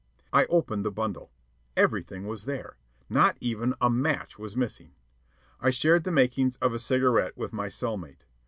I opened the bundle. Everything was there. Not even a match was missing. I shared the makings of a cigarette with my cell mate.